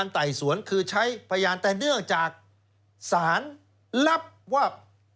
แต่เนื่องจากศาลลับว่า